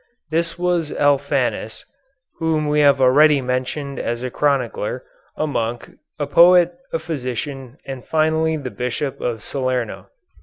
This was Alphanus, whom we have already mentioned as a chronicler, a monk, a poet, a physician, and finally the Bishop of Salerno.